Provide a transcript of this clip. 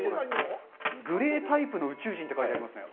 グレータイプの宇宙人って書いてありますね。